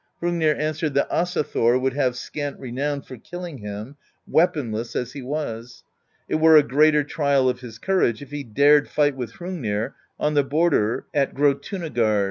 Hrung nir answered that Asa Thor would have scant renown for killing him, weaponless as he was : it were a greater trial of his courage if he dared fight with Hrungnir on the border at Grjotunagard.